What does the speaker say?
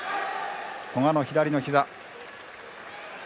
古賀の左のひざ。